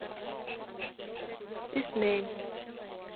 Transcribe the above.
Эсмәйем!